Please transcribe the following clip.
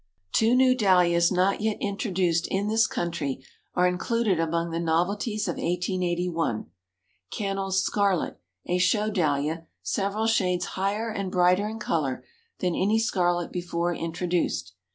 Two new Dahlias not yet introduced in this country are included among the novelties of 1881. Cannell's Scarlet, a Show Dahlia, several shades higher and brighter in color than any scarlet before introduced.